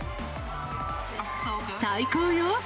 最高よ。